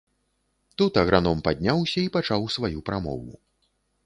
Тут аграном падняўся і пачаў сваю прамову.